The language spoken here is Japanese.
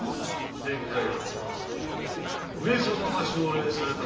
「開発」は上様が奨励された事ぞ。